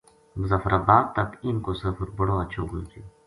مظفرآباد تک اِن کو سفر بڑو ہچھو گزریو